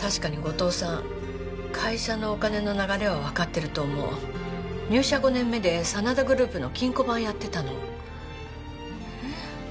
確かに後藤さん会社のお金の流れは分かってると思う入社５年目で真田グループの金庫番やってたのええ？